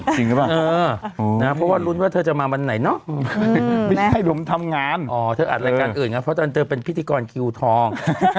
จริงหรือเปล่าเพราะว่ารุ้นว่าเธอจะมาวันไหนเนาะไม่ใช่ผมทำงานอ๋อเธออัดรายการอื่นไงเพราะตอนเธอเป็นพิธีกรคิวทอง